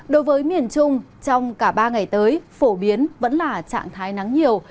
đối với miền trung trong cả ba ngày tới phổ biến vẫn là trạng thái nắng nhiều